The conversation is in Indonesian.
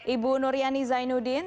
ibu nuriani zainuddin